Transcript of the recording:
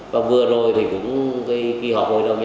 và vừa rồi thì cũng khi họ vô đồng